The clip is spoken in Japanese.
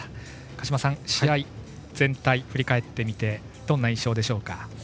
鹿島さん、試合全体を振り返ってみてどんな印象でしょうか。